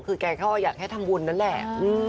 คือแกก็อยากให้ทำบุญนั่นแหละ